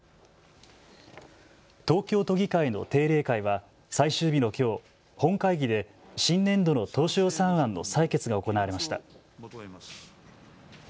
東京都議会の定例会は最終日のきょう、本会議で新年度の当初予算案の採決が行われました。